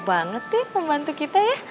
kepo banget ya pembantu kita ya